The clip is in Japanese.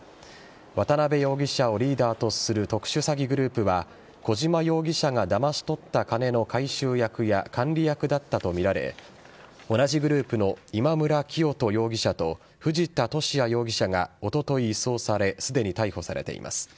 渡辺容疑者をリーダーとする特殊詐欺グループは小島容疑者がだまし取った金の回収役や管理役だったとみられ同じグループの今村磨人容疑者と藤田聖也容疑者がおととい移送されすでに逮捕されています。